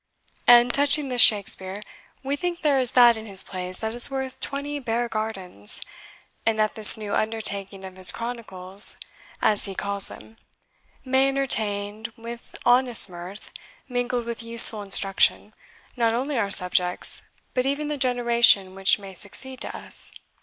And touching this Shakespeare, we think there is that in his plays that is worth twenty Bear gardens; and that this new undertaking of his Chronicles, as he calls them, may entertain, with honest mirth, mingled with useful instruction, not only our subjects, but even the generation which may succeed to us."